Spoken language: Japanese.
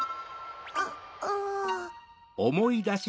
あっ。